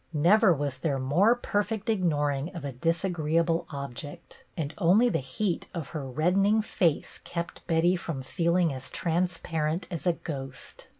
Never was there more perfect ignor ing of a disagreeable object; and only the heat of her reddening face kept Betty from feeling as transparent as a ghost.